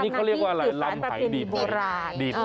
นักศิษย์สินค้าประเภนโบราณ